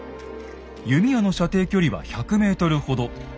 弓矢の射程距離は１００ｍほど。